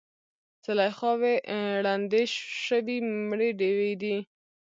زلیخاوې ړندې شوي مړې ډیوې دي